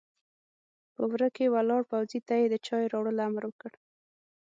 په وره کې ولاړ پوځي ته يې د چايو د راوړلو امر وکړ!